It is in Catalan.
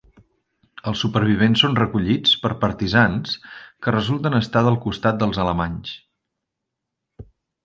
Els supervivents són recollits per partisans que resulten estar del costat dels alemanys.